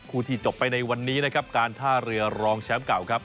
ที่จบไปในวันนี้นะครับการท่าเรือรองแชมป์เก่าครับ